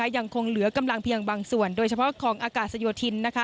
ยังคงเหลือกำลังเพียงบางส่วนโดยเฉพาะของอากาศโยธิน